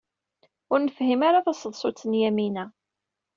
Ur nefhim ara taseḍsut n Yamina.